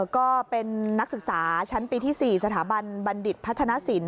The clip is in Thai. ก็เป็นนักศึกษาชั้นปีที่๔สถาบันบัณฑิตพัฒนศิลป